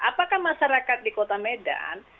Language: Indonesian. apakah masyarakat di kota medan